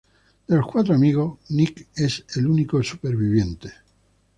De los cuatro amigos, Nick es el único sobreviviente.